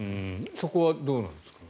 そこはどうなんですか。